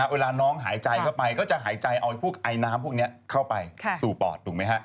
เวลาน้องหายใจเข้าไปก็จะหายใจเอาพวกไอน้ำพวกนี้เข้าไปสู่ปอดถูกไหมฮะ